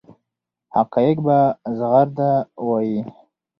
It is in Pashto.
حقایق په زغرده وایي.